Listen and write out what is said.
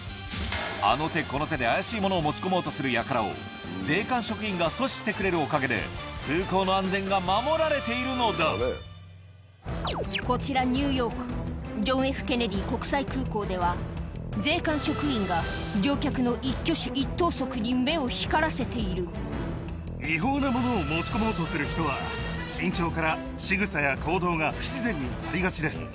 あの手この手で怪しいものを持ち込もうとするやからを、税関職員が阻止してくれているおかげで、空港の安全が守られていこちら、ニューヨーク、ジョン・Ｆ・ケネディ国際空港では、税関職員が乗客の一挙手一投違法なものを持ち込もうとする人は、緊張からしぐさや行動が不自然になりがちです。